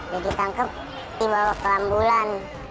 jadi tangkep dibawa ke ambulan